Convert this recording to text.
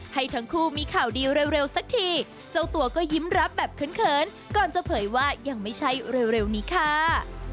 ให้ทั้งคู่มีข่าวดีเร็วสักทีเจ้าตัวก็ยิ้มรับแบบเขินก่อนจะเผยว่ายังไม่ใช่เร็วนี้ค่ะ